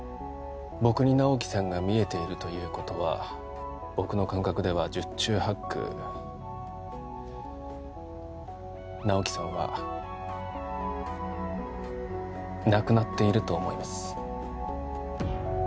僕に直木さんが見えているということは僕の感覚では十中八九直木さんは亡くなっていると思います